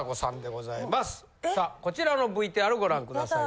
さあこちらのＶＴＲご覧ください。